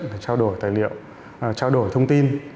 để trao đổi tài liệu trao đổi thông tin